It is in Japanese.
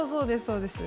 そうです